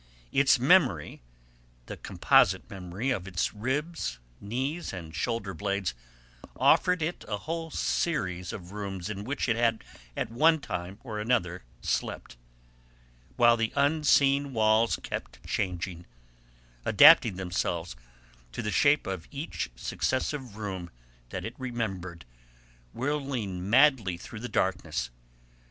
Its memory, the composite memory of its ribs, knees, and shoulder blades offered it a whole series of rooms in which it had at one time or another slept; while the unseen walls kept changing, adapting themselves to the shape of each successive room that it remembered, whirling madly through the darkness.